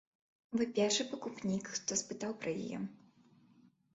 Вы першы пакупнік, хто спытаў пра яе.